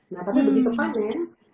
nah tapi begitu panen